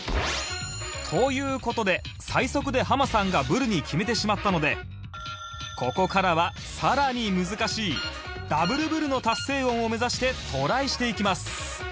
という事で最速でハマさんがブルに決めてしまったのでここからは更に難しいダブルブルの達成音を目指してトライしていきます